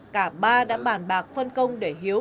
cả ba đã bảo vệ